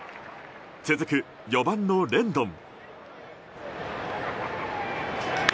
続く４番のレンドン。